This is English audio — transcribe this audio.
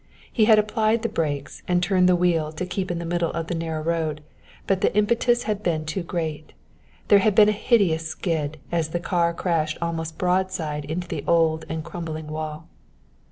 He had applied the brakes and turned the wheel to keep in the middle of the narrow road but the impetus had been too great. There had been a hideous skid as the car crashed almost broadside into the old and crumbling wall.